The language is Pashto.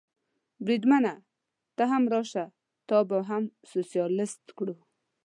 بریدمنه، ته هم راشه، تا به هم سوسیالیست کړو.